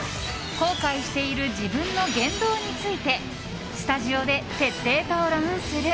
後悔している自分の言動についてスタジオで徹底討論する。